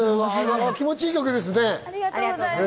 気持ちいい曲ですね。